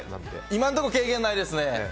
今のところ経験ないですね。